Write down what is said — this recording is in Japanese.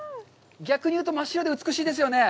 逆に言うと、真っ白で、美しいですよね。